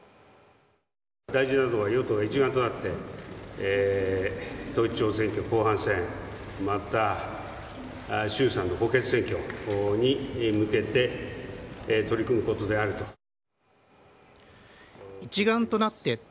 大事なのは与党が一丸となって、統一地方選挙の後半戦、また、衆参の補欠選挙に向けて取り組むことであると。